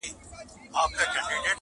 خو هغه کړو چي بادار مو خوشالیږي -